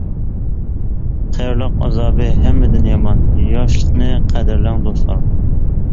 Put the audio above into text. قېرىلىق ئازابى ھەممىدىن يامان ياشلىقنى قەدىرلەڭ دوستلار.